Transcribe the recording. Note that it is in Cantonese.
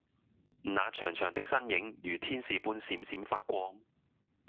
那長長的身影如天使般閃閃發光